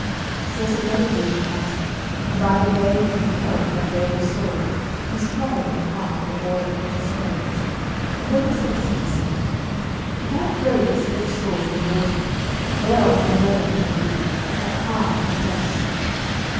So Sir Bedivere departed, and by the way he beheld that noble sword, whose pommel and haft were all of precious stones, and then he said to himself, "If I throw this rich sword in the water, thereof shall never come good, but harm and loss."